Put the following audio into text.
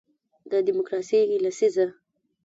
د دیموکراسۍ لسیزه